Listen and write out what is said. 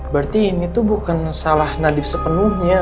berarti ini tuh bukan salah nadif sepenuhnya